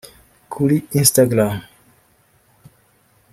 Kuri Instagram